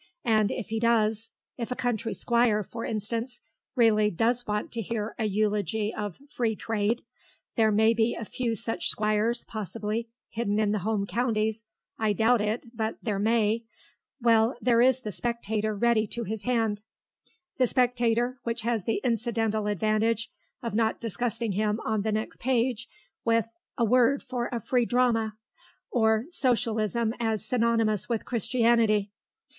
And if he does if a country squire, for instance, really does want to hear a eulogy of Free Trade (there may be a few such squires, possibly, hidden in the home counties; I doubt it, but there may) well, there is the Spectator ready to his hand. The Spectator, which has the incidental advantage of not disgusting him on the next page with 'A Word for a Free Drama,' or 'Socialism as Synonymous with Christianity.